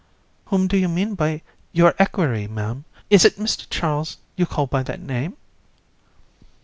AND. Whom do you mean by your equerry, Ma'am? Is it Mr. Charles you call by that name?